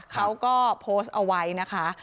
เขาก็โพสต์เอาไว้นะคะ